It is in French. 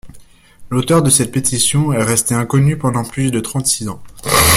L’auteur de cette pétition est resté inconnu pendant plus de trente-six ans.